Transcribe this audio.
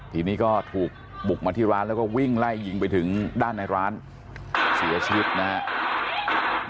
ทีนี้ก็ถูกบุกมาที่ร้านแล้วก็วิ่งไล่ยิงไปถึงด้านในร้านเสียชีวิตนะครับ